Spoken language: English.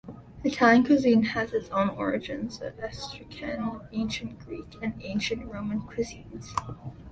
Italian cuisine has its origins in Etruscan, ancient Greek, and ancient Roman cuisines.